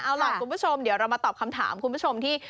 เอาล่ะคุณผู้ชมเดี๋ยวเรามาตอบคำถามคุณผู้ชมที่